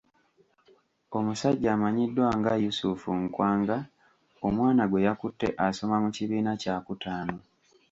Omusajja amanyiddwa nga Yusuf Nkwanga omwana gweyakutte asoma mu kibiina kya kutaano.